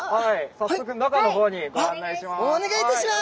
早速中の方にご案内します。